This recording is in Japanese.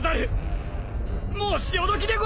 もう潮時でござる！